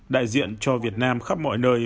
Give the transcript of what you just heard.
đại diện cho việt nam khắp mọi nơi